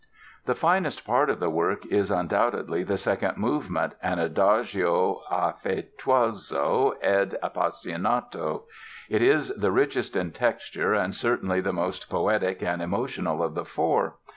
The finest part of the work is undoubtedly the second movement, an "Adagio affetuoso ed appassionato." It is the richest in texture and certainly the most poetic and emotional of the four.